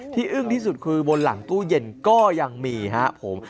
อึ้งที่สุดคือบนหลังตู้เย็นก็ยังมีครับผม